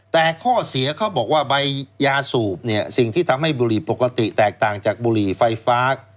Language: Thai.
แต่ข้อเสียเขาบอกว่าใบยาสูบเนี่ยสิ่งที่ทำให้บุหรี่ปกติแตกต่างจากบุหรี่ไฟฟ้า